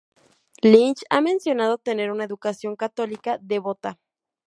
Lynch ha mencionado tener una educación católica devota.